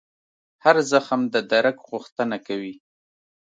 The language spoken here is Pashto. هر زخم د درک غوښتنه کوي.